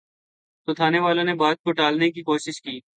تو تھانے والوں نے بات کو ٹالنے کی کوشش کی۔